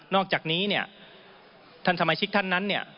อกจากนี้เนี่ยท่านสมาชิกท่านนั้นเนี่ย